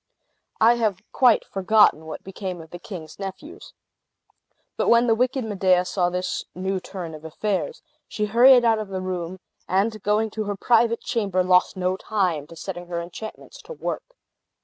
I have quite forgotten what became of the king's nephews. But when the wicked Medea saw this new turn of affairs, she hurried out of the room, and going to her private chamber, lost no time to setting her enchantments to work.